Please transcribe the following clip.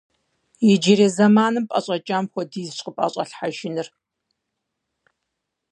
Иджырей зэманым пӀэщӀэкӀам хуэдизщ къыпӀэщӀалъхьэжынур.